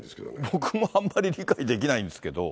僕もあんまり理解できないんですけど。